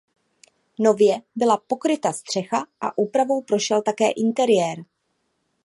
Nově byla pokryta střecha a úpravou prošel také interiér.